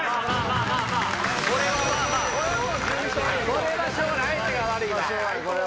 これはしょうがない相手が悪いわ。